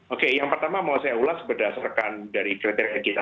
oke yang pertama mau saya ulas berdasarkan dari kriteria kita